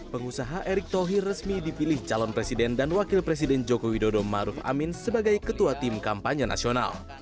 pengusaha erick thohir resmi dipilih calon presiden dan wakil presiden joko widodo maruf amin sebagai ketua tim kampanye nasional